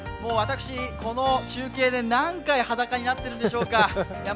私この中継で何回、裸になっているんでしょうか。